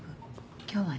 今日はね